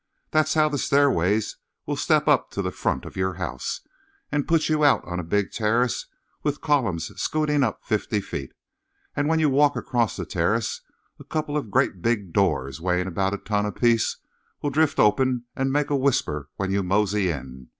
That's how the stairways will step up to the front of your house and put you out on a big terrace with columns scooting up fifty feet, and when you walk across the terrace a couple of great big doors weighing about a ton apiece will drift open and make a whisper when you mosey in.